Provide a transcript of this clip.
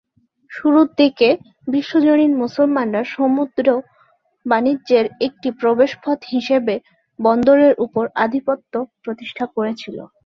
শুরুর দিকের বিশ্বজনীন মুসলমানরা সমুদ্র বাণিজ্যের একটি প্রবেশপথ হিসেবে বন্দরের উপর আধিপত্য প্রতিষ্ঠা করেছিল।